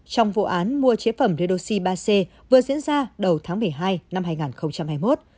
trong vụ án mua chế phẩm redoxi ba c vừa diễn ra đầu tháng một mươi hai năm hai nghìn hai mươi một